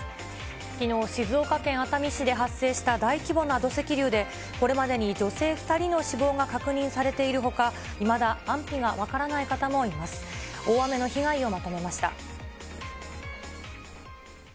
きのう、静岡県熱海市で発生した大規模な土石流で、これまでに女性２人の死亡が確認されているほか、いまだ安否が分からない方もいます。